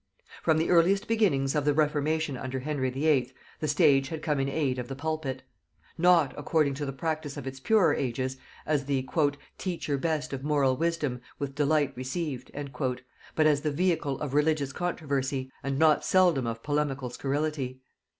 From the earliest beginnings of the reformation under Henry VIII. the stage had come in aid of the pulpit; not, according to the practice of its purer ages, as the "teacher best of moral wisdom, with delight received," but as the vehicle of religious controversy, and not seldom of polemical scurrility.